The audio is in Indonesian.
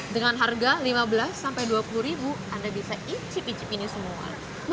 dengan harga rp lima belas rp dua puluh anda bisa icip icip ini semua